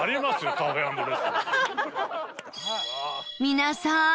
皆さん！